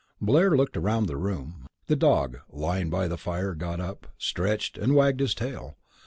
Blair looked round the room. The dog, lying by the fire, got up, stretched, and wagged his tail.